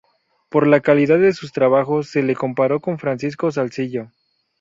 Por la calidad de sus trabajos se le comparó con Francisco Salzillo.